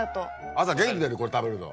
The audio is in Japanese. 朝元気出るこれ食べると。